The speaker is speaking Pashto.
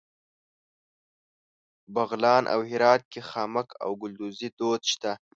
بغلان او هرات کې خامک او ګلدوزي دود شته.